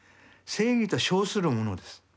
正義と称するものです。